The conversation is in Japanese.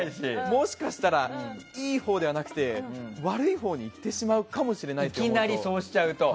もしかしたらいいほうではなくて悪いほうに行ってしまうかもしれないと。